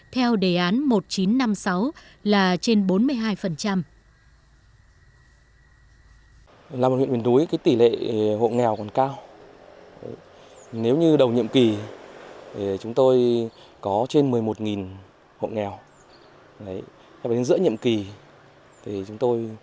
theo đề án một nghìn chín trăm năm mươi sáu là trên bốn mươi hai